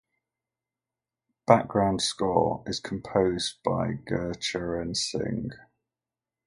Background score is composed by Gurcharan Singh.